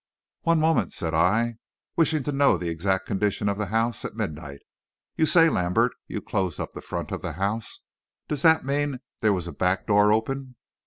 "One moment," said I, wishing to know the exact condition of the house at midnight. "You say, Lambert, you closed up the front of the house. Does that mean there was a back door open?"